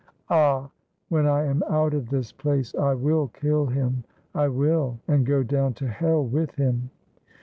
Ah! when I am out of this place, I will kill him! I will! and go down to hell with him